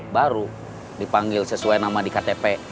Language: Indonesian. baru dipanggil sesuai nama di ktp